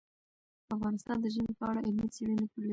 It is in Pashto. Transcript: افغانستان د ژمی په اړه علمي څېړنې لري.